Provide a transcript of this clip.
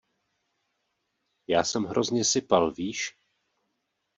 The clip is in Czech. Já jsem hrozně sypal, víš?